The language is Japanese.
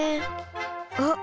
あっ。